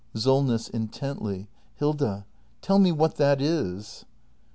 SOLNESS. [Intently.] Hilda — tell me what that is!